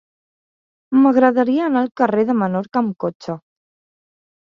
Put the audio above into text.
M'agradaria anar al carrer de Menorca amb cotxe.